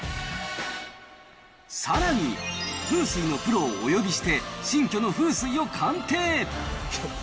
さらに、風水のプロをお呼びして、新居の風水を鑑定。